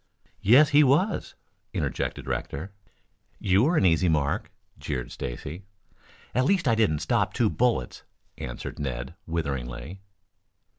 "Yes, he was," interjected Rector. "You were an easy mark!" jeered Stacy. "At least I didn't stop two bullets," answered Ned witheringly.